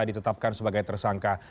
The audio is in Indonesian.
ditetapkan sebagai tersangka